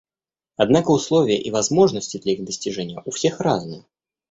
Однако условия и возможности для их достижения у всех разные.